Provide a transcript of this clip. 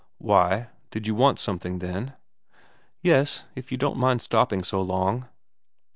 "Why, did you want something, then?" "Yes, if you don't mind stopping so long."